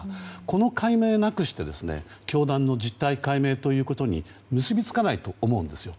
この解明なくして教団の実態解明ということに結びつかないと思うんです。